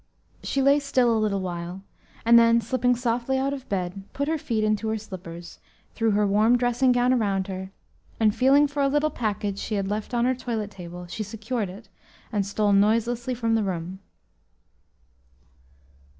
She lay still a little while, and then, slipping softly out of bed, put her feet into her slippers, threw her warm dressing gown around her, and feeling for a little package she had left on her toilet table, she secured it and stole noiselessly from the room.